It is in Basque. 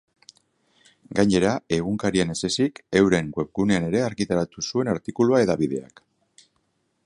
Gainera, egunkarian ez ezik, euren webgunean ere argitaratu zuen artikulua hedabideak.